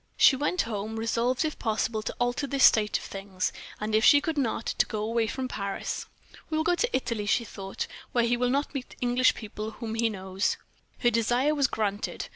She went home, resolved if possible, to alter this state of things, and if she could not, to go away from Paris. "We will go to Italy," she thought, "where he will not meet English people whom he knows." Her desire was granted.